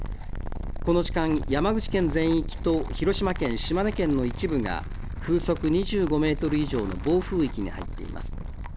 この時間、山口県全域と広島県、島根県の一部が風速２５メートル以上の暴風域に入っています。